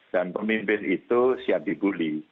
dan pemimpin itu siap dibully